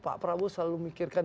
pak prabowo selalu mikirkan